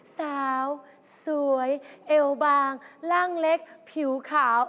สาวสวยเอวบางร่างเล็กผิวขาว